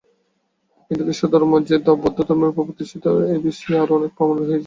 কিন্তু খ্রীষ্টধর্ম যে বৌদ্ধধর্মের উপর প্রতিষ্ঠিত, এই বিষয়ে আরও অনেক প্রমাণ রহিয়াছে।